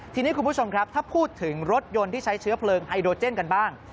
ทีนี้คุณผู้ชมครับถ้าพูดถึงรถยนต์ที่ใช้เชื้อเพลิงไอโดเจนกันบ้าง